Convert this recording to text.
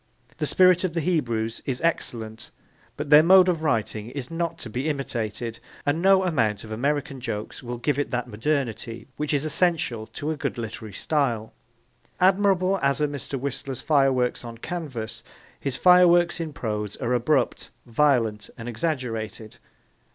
The spirit of the Hebrews is excellent but their mode of writing is not to be imitated, and no amount of American jokes will give it that modernity which is essential to a good literary style. Admirable as are Mr. Whistler's fireworks on canvas, his fireworks in prose are abrupt, violent and exaggerated.